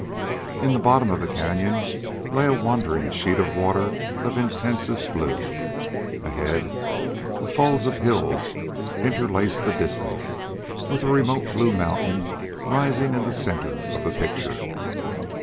In the bottom of the canyon lay a wandering sheet of water of intensest blue. Ahead, the folds of hills interlaced the distance, with a remote blue mountain rising in the center of the picture.